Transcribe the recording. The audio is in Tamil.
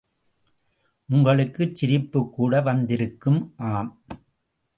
உங்களுக்குச் சிரிப்புக்கூட வந்திருக்கும் ஆம்.